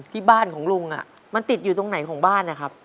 ที่บ้านของลุงมันติดอยู่ตรงไหนของบ้านนะครับ